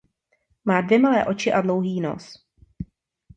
Má dvě malé oči a dlouhý nos.